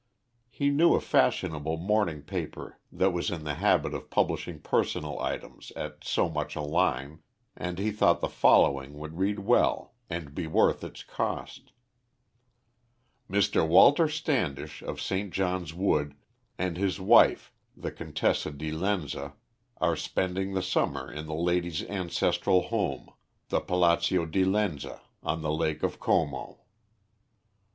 He knew a fashionable morning paper that was in the habit of publishing personal items at so much a line, and he thought the following would read well and be worth its cost: "Mr. Walter Standish, of St. John's Wood, and his wife, the Comtessa di Lenza, are spending the summer in the lady's ancestral home, the Palazzio di Lenza, on the lake of Como."